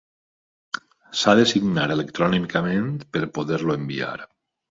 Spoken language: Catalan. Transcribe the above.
S'ha de signar electrònicament per poder-lo enviar.